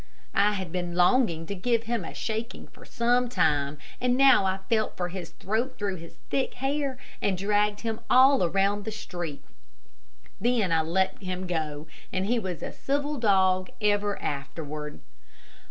I had been longing to give him a shaking for some time, and now I felt for his throat through his thick hair, and dragged him all around the street. Then I let him go, and he was a civil dog ever afterward.